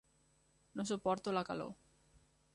No suporto la calor.